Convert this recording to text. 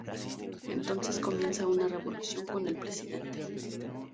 Entonces comienza una revolución con el presidente.